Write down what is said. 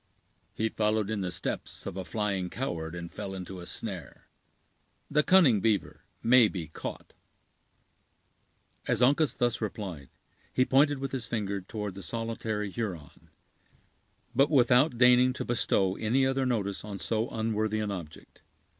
"He followed in the steps of a flying coward, and fell into a snare. The cunning beaver may be caught." As Uncas thus replied, he pointed with his finger toward the solitary Huron, but without deigning to bestow any other notice on so unworthy an object.